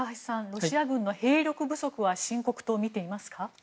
ロシア軍の兵力不足は深刻とみていますか？